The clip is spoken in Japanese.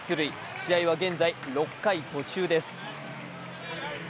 試合は現在６回途中です。